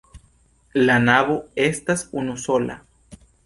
La navo estas unusola.